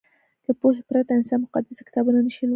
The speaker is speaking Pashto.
له پوهې پرته انسان مقدس کتابونه نه شي لوستلی.